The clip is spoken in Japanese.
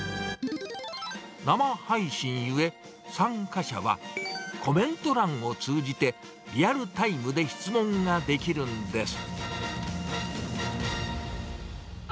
生配信ゆえ、参加者はコメント欄を通じてリアルタイムで質問ができるんです。